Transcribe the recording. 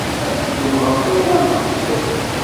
Ad teddum ɣef uḍar neɣ s usakal?